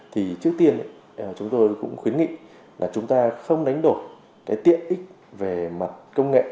thì trước tiên chúng tôi cũng khuyến nghị là chúng ta không đánh đổi cái tiện ích về mặt công nghệ